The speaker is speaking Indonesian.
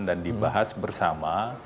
dan dibahas bersama